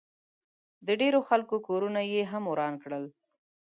د ډېرو خلکو کورونه ئې هم وران کړل